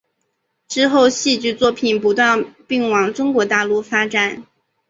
之后戏剧作品不断并往中国大陆发展。